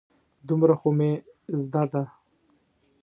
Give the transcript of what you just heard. دومره خو مې زده ده.